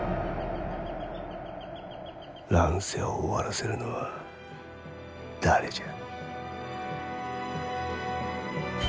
乱世を終わらせるのは誰じゃ。